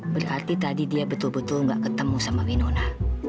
berarti tadi dia betul betul nggak ketemu sama winona